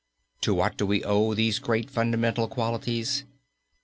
To what do we owe these great fundamental qualities?